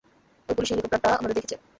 ওই পুলিশি হেলিকপ্টারটা আমাদের দেখেছে।